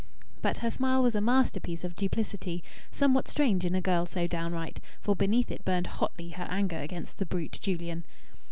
But her smile was a masterpiece of duplicity, somewhat strange in a girl so downright; for beneath it burned hotly her anger against the brute Julian.